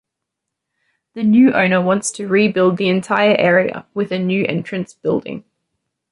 The new owner wants to rebuild the entire area with a new entrance building.